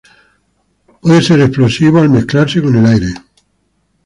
Puede ser explosivo al mezclarse con el aire.